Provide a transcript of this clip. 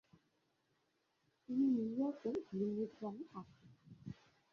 তিনি নিউ ইয়র্কের গ্রিনউইচ গ্রামে কাজ করতেন।